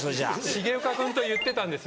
重岡君と言ってたんです